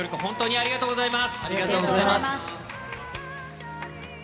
ありがとうございます。